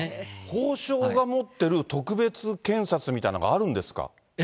法相が持ってる特別検察みたいのがあるんですか。